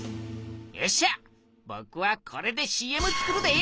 よっしゃぼくはこれでＣＭ作るで！